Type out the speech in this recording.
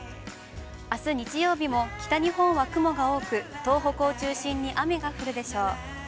あす日曜日も、北日本は雲が多く、東北を中心に雨が降るでしょう。